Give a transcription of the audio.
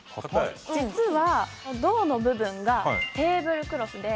実は胴の部分がテーブルクロスで。